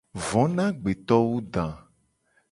Vo na agbeto wu da.